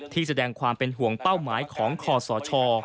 ที่แสดงความเป็นห่วงเป้าหมายของคอสช